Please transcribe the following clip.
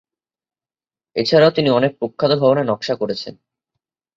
এছাড়াও তিনি অনেক প্রখ্যাত ভবনের নকশা করেছেন।